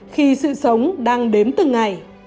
khi sự sống đang đếm từng ngày